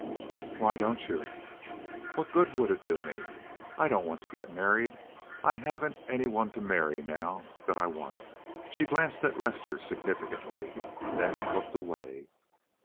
"Why don't you?" "What good would it do me? I don't want to get married. I haven't any one to marry now—that I want." She glanced at Lester significantly, then looked away.